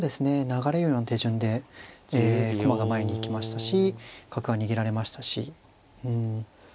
流れるような手順で駒が前に行きましたし角が逃げられましたし。